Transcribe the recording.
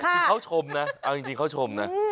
คือเขาชมนะเอาจริงเขาชมนะ